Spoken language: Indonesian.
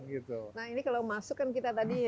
nah ini kalau masuk kan kita tadi